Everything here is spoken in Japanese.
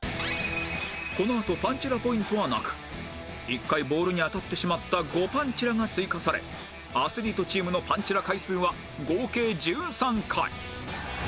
このあとパンチラポイントはなく１回ボールに当たってしまった５パンチラが追加されアスリートチームのパンチラ回数は合計１３回